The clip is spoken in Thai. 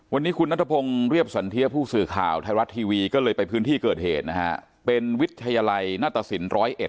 วันนี้คุณนัฐพงศ์เรียบสวันเทียบผู้สื่อข่าวไทยรัสทีวีก็เลยไปพื้นที่เกิดเหตุเป็นวิทยาลัยนตสสิน๑๐๑